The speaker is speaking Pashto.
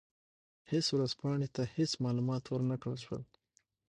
هېڅ ورځپاڼې ته هېڅ معلومات ور نه کړل شول.